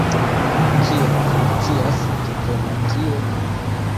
Kiel funkcias diplomatio.